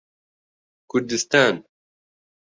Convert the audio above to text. کوردستان